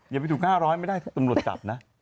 อย่าไปถูก๕๐๐ไม่ได้ตำรวจจับนะ